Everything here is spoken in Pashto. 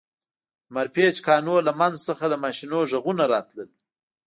د مارپیچ کانونو له منځ څخه د ماشینونو غږونه راتلل